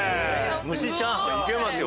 蒸しチャーハンいけますよ